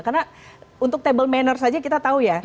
karena untuk table manners aja kita tahu ya